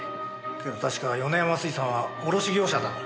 けど確か米山水産は卸業者だろ。